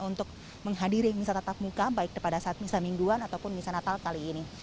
untuk menghadiri misal tatap muka baik pada saat misa mingguan ataupun misa natal kali ini